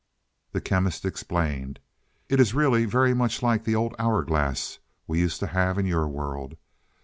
The Chemist explained. "It really is very much like the old hour glass we used to have in your world.